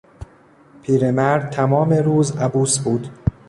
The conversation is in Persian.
پیرمرد تمام روز عبوس بود.